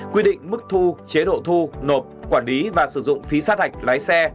quy định mức thu chế độ thu nộp quản lý và sử dụng phí sát hạch lái xe